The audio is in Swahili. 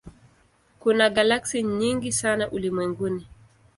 Kuna galaksi nyingi sana ulimwenguni.